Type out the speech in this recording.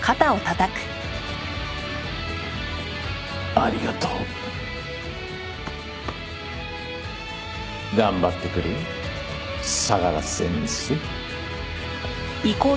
ありがとう。頑張ってくれよ相良先生。